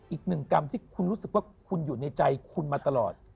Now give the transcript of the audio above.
อีกหนึ่งกรรมที่คุณรู้สึกว่าคุณอยู่ในใจคุณมาตลอด